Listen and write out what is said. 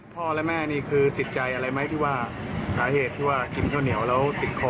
พ่อและแม่นี่คือติดใจอะไรไหมที่ว่าสาเหตุที่ว่ากินข้าวเหนียวแล้วติดคอ